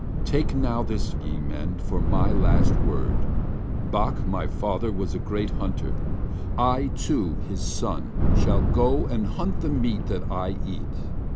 Take this now, ye men, for my last word. Bok, my father, was a great hunter. I, too, his son, shall go and hunt the meat that I eat.